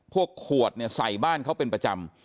ขวดเนี่ยใส่บ้านเขาเป็นประจำ